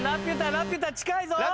ラピュタ違いぞ！